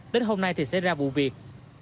đến hôm nay thì sẽ ra vụ việc